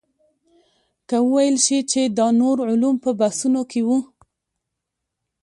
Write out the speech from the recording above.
که وویل شي چې دا نور علوم په بحثونو کې وو.